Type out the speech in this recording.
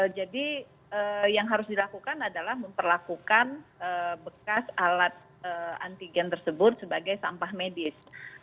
jadi yang harus dilakukan adalah memperlakukan bekas alat antigen tersebut sebagai sampah medis